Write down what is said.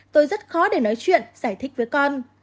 tôi rất khó để nói chuyện giải thích với con